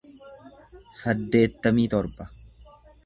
saddeettamii torba